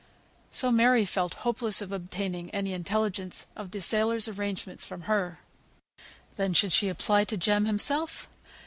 So Mary felt hopeless of obtaining any intelligence of the sailor's arrangements from her. Then, should she apply to Jem himself?